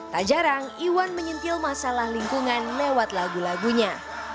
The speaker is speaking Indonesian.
tak jarang iwan menyentil masalah lingkungan lewat lagu lagunya